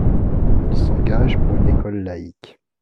Il s'engage pour une école laïque.